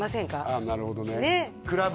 ああなるほどね